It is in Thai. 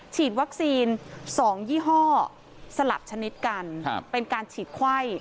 ฉีดวัคซีน๒ยี่ห้อสลับชนิดกันเป็นการฉีดไข้